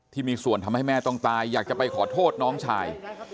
ที่มีส่วนทำให้แม่ต้องตายอยากจะไปขอโทษน้องชาย